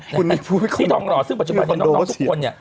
คุณที่ทองหล่อซึ่งปัจจุบันนี้น้องทุกคนเนี่ย